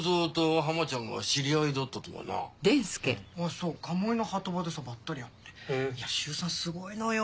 そう鴨居の波止場でさばったり会っていやシュウさんすごいのよ